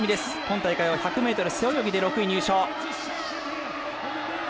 今大会１００ｍ背泳ぎで６位入賞。